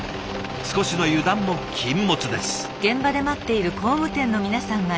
少しの油断も禁物です。